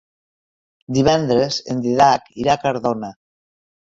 Divendres en Dídac irà a Cardona.